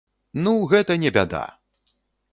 Ну, гэта не бяда!